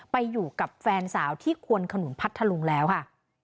ไปอยู่กับแฟนสาวที่ควนขนุนพัทธลุงแล้วค่ะ